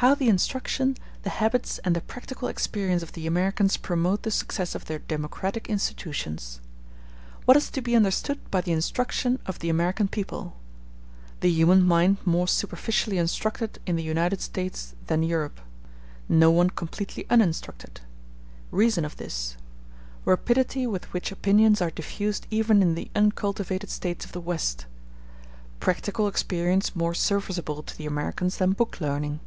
How The Instruction, The Habits, And The Practical Experience Of The Americans Promote The Success Of Their Democratic Institutions What is to be understood by the instruction of the American people—The human mind more superficially instructed in the United States than in Europe—No one completely uninstructed—Reason of this—Rapidity with which opinions are diffused even in the uncultivated States of the West—Practical experience more serviceable to the Americans than book learning.